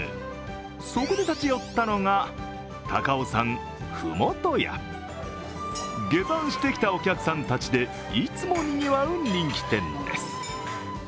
そこで立ち寄ったのが高尾山ＦｕＭｏｔｏＹＡ下山してきたお客さんたちでいつもにぎわう人気店です。